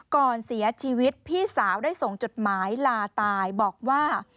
ก่อนเสียชีวิตพี่สาวได้ส่งจดหมายลาตายบอกว่า